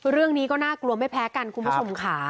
เรื่องนี้ก็น่ากลัวไม่แพ้กันคุณผู้ชมค่ะ